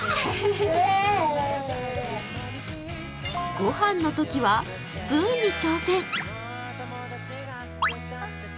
ごはんのときは、スプーンに挑戦。